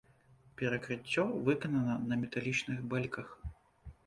Перакрыццё выканана на металічных бэльках.